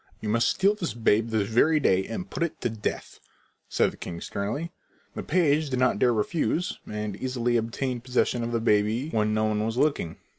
"You must steal this babe this very day and put it to death," said the king sternly. The page did not dare refuse, and easily obtained possession of the baby when no one was looking.